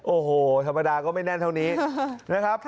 โอ้โหธรรมดาก็ไม่แน่นเท่านี้นะครับ